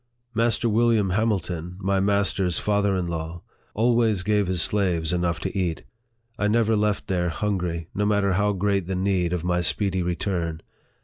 Master William Hamilton, my master's father in law, always gave his slaves enough to eat. I never left there hungry, no matter how great the need of my speedy return.